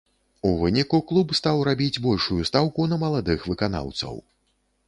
У выніку клуб стаў рабіць большую стаўку на маладых выканаўцаў.